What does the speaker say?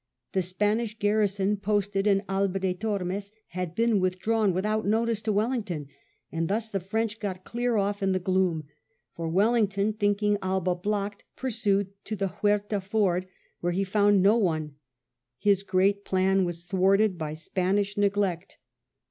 The Spanish garrison posted in Alba de Tormes had been withdrawn without notice to Welling ton, and thus the French got clear off in the gloom ; for Wellington, thinking Alba blocked, pursued to the Huerta ford, where he found no one; his great plan was thwarted by Spanish neglect.